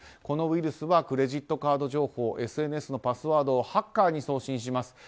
このウイルスはクレジットカード情報ＳＮＳのパスワードをハッカーに送信します。